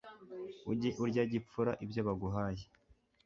ujye urya gipfura ibyo baguhaye